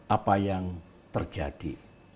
apa yang terjadi